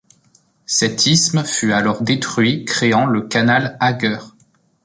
Cet isthme fut alors détruit, créant le Canal Agger.